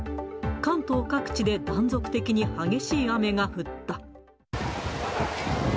関東各地で、断続的に激しい雨が降った。